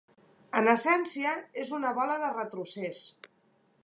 En essència, és una bola de retrocés.